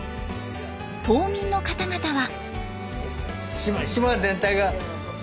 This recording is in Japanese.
島民の方々は。